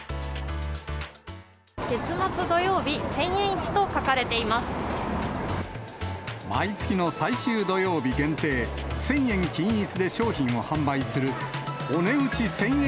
月末土曜日、千円市と書かれ毎月の最終土曜日限定、１０００円均一で商品を販売する、お値打ち千円